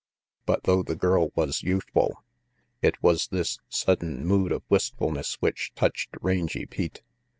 But though the girl was youthful, it was this sudden mood of wistfulness which touched Rangy Pete.